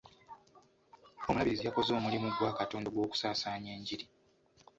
Omulabirizi yakoze omulimu gwa Katonda ogw'okusaasaanya enjiri.